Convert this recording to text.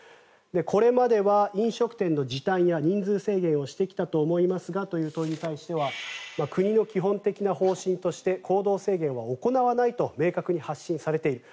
これまでは飲食店の時短や人数制限をしてきたと思いますがという問いに対しては国の基本的な方針として行動制限は行わないと明確に発信されている。